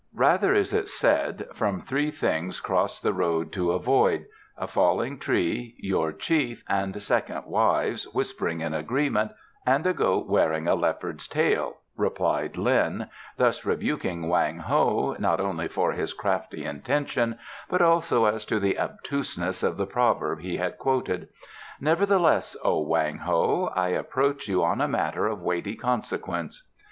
"Rather is it said, 'From three things cross the road to avoid: a falling tree, your chief and second wives whispering in agreement, and a goat wearing a leopard's tail,'" replied Lin, thus rebuking Wang Ho, not only for his crafty intention, but also as to the obtuseness of the proverb he had quoted. "Nevertheless, O Wang Ho, I approach you on a matter of weighty consequence."